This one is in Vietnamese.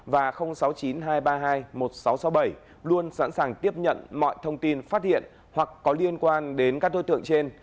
hai trăm ba mươi bốn năm nghìn tám trăm sáu mươi và sáu mươi chín hai trăm ba mươi hai một nghìn sáu trăm sáu mươi bảy luôn sẵn sàng tiếp nhận mọi thông tin phát hiện hoặc có liên quan đến các đối tượng trên